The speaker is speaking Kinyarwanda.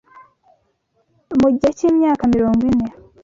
mu gihe cy’imyaka mirongo ine